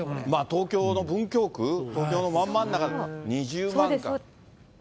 東京の文京区、東京のまん真ん中で２０万か。